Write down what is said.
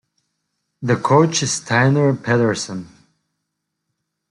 The coach is Steinar Pedersen.